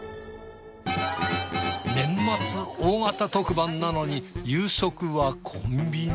年末大型特番なのに夕食はコンビニ。